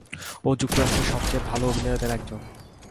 ও যুক্তরাষ্ট্রের সবচেয়ে ভালো অভিনেতাদের একজন।